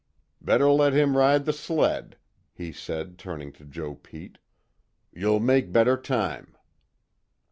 Better let him ride the sled," he said, turning to Joe Pete, "You'll make better time."